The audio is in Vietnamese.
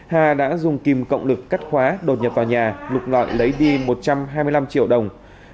hà đã dùng kìm cộng lực cắt khóa đột nhập vào nhà lục lọi lấy đi một trăm hai mươi năm triệu đồng